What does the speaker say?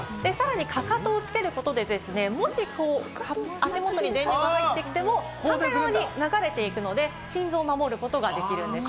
かかとをつけることで足元に電流が入ってきても、このように流れていくので心臓を守ることができるんですね。